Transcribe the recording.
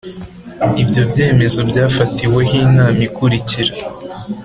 ibyo byemezo byafatiweho Inama ikurikira